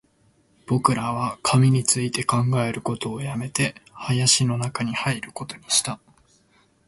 僕らは紙について考えることを止めて、林の中に入ることにした